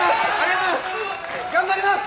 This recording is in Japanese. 頑張ります！